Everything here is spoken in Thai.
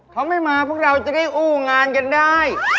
เขาไม่มาพวกเราจะได้อู้งานกันได้